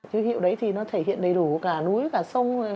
thương hiệu đấy thì nó thể hiện đầy đủ cả núi cả sông